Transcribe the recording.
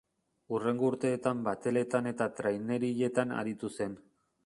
Hurrengo urteetan bateletan eta trainerilletan aritu zen.